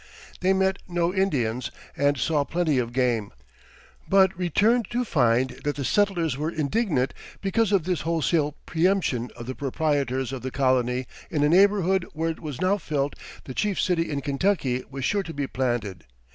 They met no Indians and saw plenty of game; but returned to find that the settlers were indignant because of this wholesale preemption by the proprietors of the colony in a neighborhood where it was now felt the chief city in Kentucky was sure to be planted.